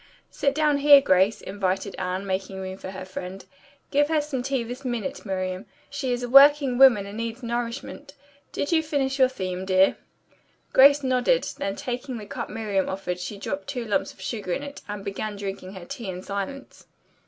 "Sit down here, Grace," invited Anne, making room for her friend. "Give her some tea this minute, Miriam. She is a working woman and needs nourishment. Did you finish your theme, dear?" Grace nodded. Then taking the cup Miriam offered she dropped two lumps of sugar in it, and began drinking her tea in silence.